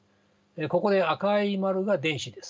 ここで赤い円が電子です。